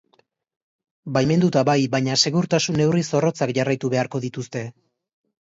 Baimenduta bai, baina, segurtasun neurri zorrotzak jarraitu beharko dituzte.